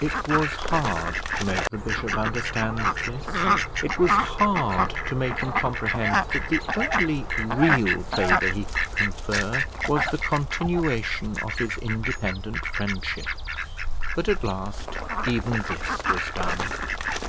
It was hard to make the bishop understand this; it was hard to make him comprehend that the only real favour he could confer was the continuation of his independent friendship; but at last even this was done.